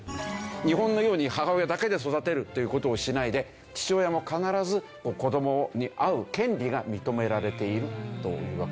日本のように母親だけで育てるという事をしないで父親も必ず子どもに会う権利が認められているというわけ。